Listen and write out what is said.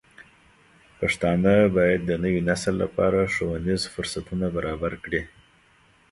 پښتانه بايد د نوي نسل لپاره ښوونیز فرصتونه برابر کړي.